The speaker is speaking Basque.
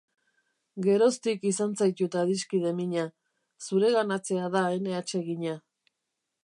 Geroztik izan zaitut adiskide mina, zureganatzea da ene atsegina.